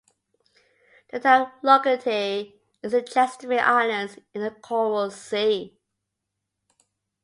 The type locality is the Chesterfield Islands in the Coral Sea.